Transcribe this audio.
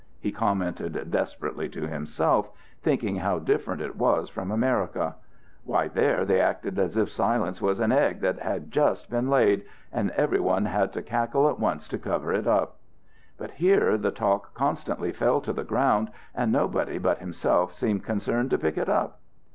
he commented desperately to himself, thinking how different it was from America. Why, there they acted as if silence was an egg that had just been laid, and everyone had to cackle at once to cover it up. But here the talk constantly fell to the ground, and nobody but himself seemed concerned to pick it up.